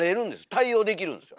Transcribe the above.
対応できるんですよ。